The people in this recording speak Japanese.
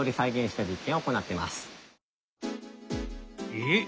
えっ？